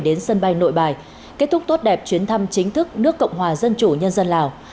đến sân bay nội bài kết thúc tốt đẹp chuyến thăm chính thức nước cộng hòa dân chủ nhân dân lào